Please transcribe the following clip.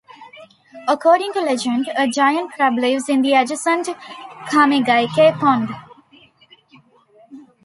According to legend, a giant crab lives in the adjacent Kamegaike Pond.